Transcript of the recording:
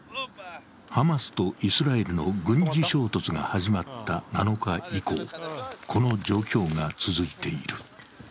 ハマスとイスラエルの軍事衝突が始まった７日以降、この状況が続いている。